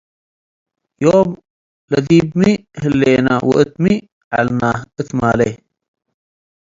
ዮም ለዲብ ሚ ህሌነ ወእት ሚ ዐልነ እት ማሌ